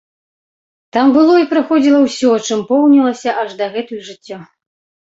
Там было і праходзіла ўсё, чым поўнілася аж дагэтуль жыццё.